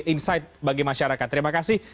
insight bagi masyarakat terima kasih